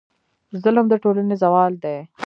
ظلم د ټولنې زوال دی.